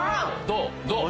どう？